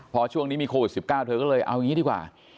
พอช่วงนี้มีโควิด๑๙เธอก็เลยเอาอย่างนี้ดีกว่า